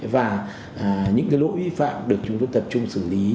và những lỗi vi phạm được chúng tôi tập trung xử lý